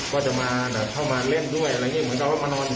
ก็จะมาเข้ามาเล่นด้วยอะไรอย่างนี้